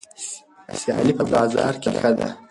سیالي په بازار کې ښه ده.